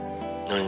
何？